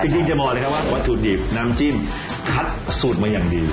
จริงจะบอกเลยครับว่าวัตถุดิบน้ำจิ้มคัดสูตรมาอย่างดี